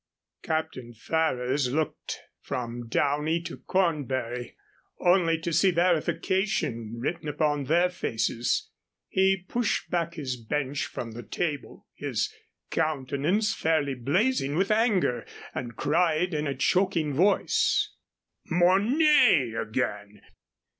Captain Ferrers looked from Downey to Cornbury, only to see verification written upon their faces. He pushed back his bench from the table, his countenance fairly blazing with anger, and cried, in a choking voice: "Mornay again!